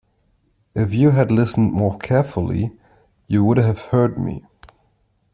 If you had listened more carefully, you would have heard me.